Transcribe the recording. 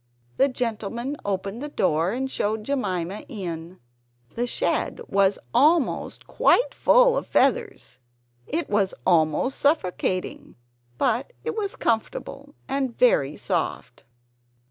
The gentleman opened the door and showed Jemima in. The shed was almost quite full of feathers it was almost suffocating; but it was comfortable and very soft.